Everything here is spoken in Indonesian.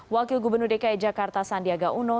wakil gubernur dki jakarta sandiagauno